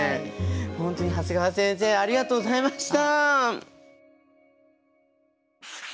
本当に長谷川先生ありがとうございました！